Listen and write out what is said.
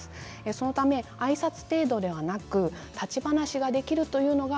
そのため、あいさつ程度ではなく立ち話ができるというのが